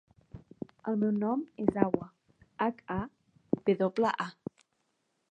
El meu nom és Hawa: hac, a, ve doble, a.